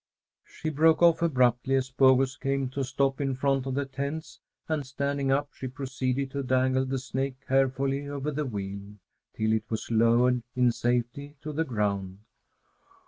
She broke off abruptly as Bogus came to a stop in front of the tents, and, standing up, she proceeded to dangle the snake carefully over the wheel, till it was lowered in safety to the ground.